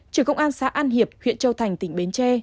trưởng công an xã an hiệp huyện châu thành tỉnh bến tre